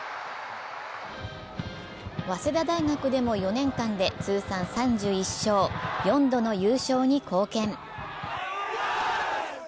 早稲田大学でも４年間で通算３１勝、４度の優勝に貢献。